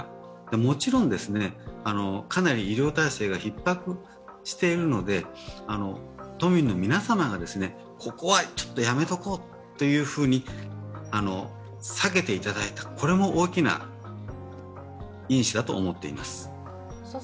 もちろん、かなり医療体制がひっ迫しているので都民の皆様がですね、ここはちょっとやめとこうっていうふうに避けていただいたのも大きな因子だと思っています。